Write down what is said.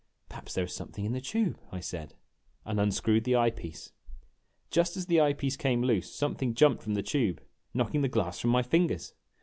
" Perhaps there is something in the tube," I said, and unscrewed the eye piece. Just as the eye piece came loose something jumped from the tube, knocking the glass from my fingers.